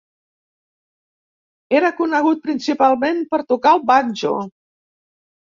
Era conegut principalment per tocar el banjo.